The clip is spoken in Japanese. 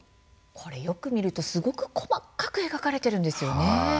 これ、よく見るとすごく細かく描かれているんですよね。